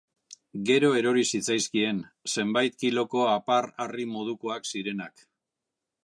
Gero erori zitzaizkien, zenbait kiloko apar-harri modukoak zirenak.